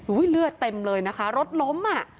เลือดเต็มเลยนะคะรถล้มอ่ะ